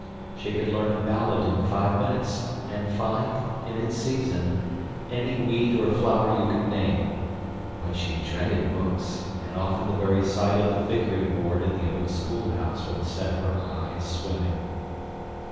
She could learn a ballad in five minutes and find, in its season, any weed or flower you could name; but she dreaded books, and often the very sight of the figuring board in the old schoolhouse would set her eyes swimming.